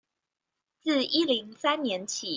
自一零三年起